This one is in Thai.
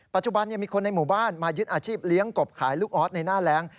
ปัจจุบันมีคนในหมู่บ้านมายึดอาชีพเลี้ยงกบขายลูกออสในหน้าแรง